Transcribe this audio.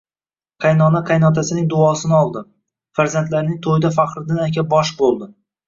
Qaynona-qaynotasining duosini oldi, farzandlarining to'yida Faxriddin aka bosh bo'ldi